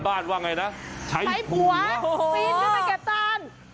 ว่าไงนะใช้ผัวปีนขึ้นไปเก็บตาน